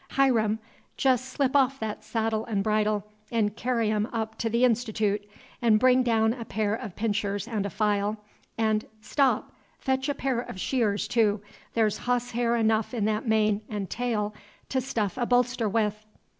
Hiram! jest slip off that saddle and bridle, and carry 'em up to the Institoot, and bring down a pair of pinchers and a file, and stop fetch a pair of shears, too; there's hosshair enough in that mane and tail to stuff a bolster with."